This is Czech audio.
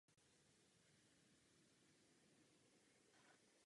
V národním divadle se vedle herecké práci věnoval i studiu režie.